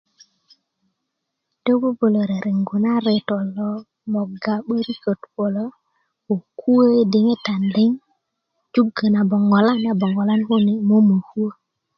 yi bubulo rerengu na reto lo moga 'böriköt kulo ko kuö i diŋitan liŋ ko jugö na bongolan a bongolan kune mokuöni mokuö